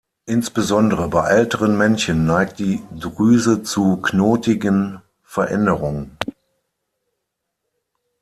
Insbesondere bei älteren Männchen neigt die Drüse zu knotigen Veränderungen.